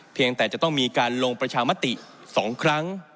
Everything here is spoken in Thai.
เพียงแต่จะต้องมีการลงประชามติสองครั้ง